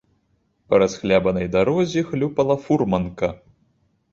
Па расхлябанай дарозе хлюпала фурманка.